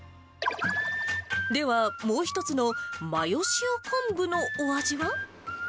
ではもう一つのマヨ塩昆布のお味は？